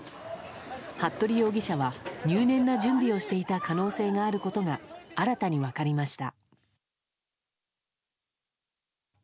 服部容疑者は入念な準備をしていた可能性があることが新たに分かりました。